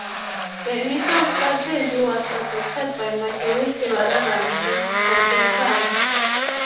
The initial strategy was adopted by majority rather than consensus.